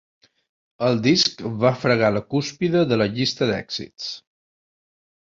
El disc va fregar la cúspide de la llista d'èxits.